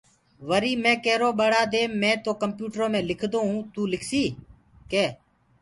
وريٚ مي ڪيرو ٻڙآ دي مي تو ڪمپيوٽرو مي لکدونٚ تو لکسيٚ ڪي